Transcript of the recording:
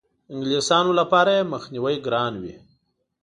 انګلیسیانو لپاره یې مخنیوی ګران وي.